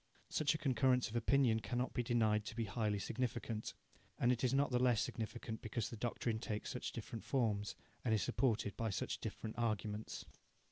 Such a concurrence of opinion cannot be denied to be highly significant and is not the less significant because the doctrine takes such different forms, and is supported by such different arguments.